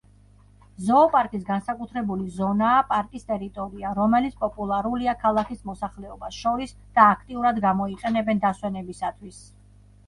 ზოოპარკის განსაკუთრებული ზონაა პარკის ტერიტორია, რომელიც პოპულარულია ქალაქის მოსახლეობას შორის და აქტიურად გამოიყენებენ დასვენებისათვის.